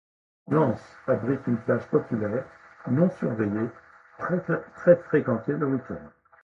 L'anse abrite une plage populaire non surveillée, très fréquentée le week-end.